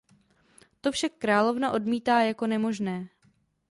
To však královna odmítá jako nemožné.